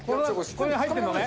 これに入ってるのね？